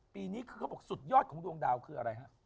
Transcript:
ปีนี้คือเขาบอกสุดยอดของดวงดาวคืออะไรฮะ